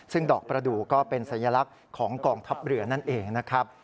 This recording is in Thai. ซึ่งดอกประดูกก็เป็นสัญลักษณ์ของกองทัพเรือนั่นเองนะครับ